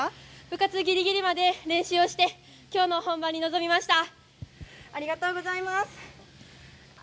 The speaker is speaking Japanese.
部活ギリギリまで練習をして今日の本番に臨みました。